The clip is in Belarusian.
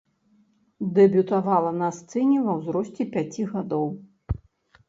Дэбютавала на сцэне ва ўзросце пяці гадоў.